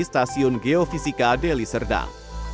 stasiun geofisika deli serdang